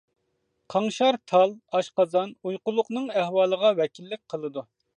قاڭشار تال، ئاشقازان، ئۇيقۇلۇقنىڭ ئەھۋالىغا ۋەكىللىك قىلىدۇ.